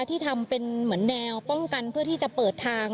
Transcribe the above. ที่ทำเป็นเหมือนแนวป้องกันเพื่อที่จะเปิดทาง